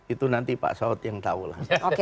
itu nanti pak saud yang tahu lah